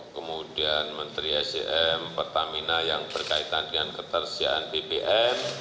kemudian menteri sjm pertamina yang berkaitan dengan ketersediaan bpm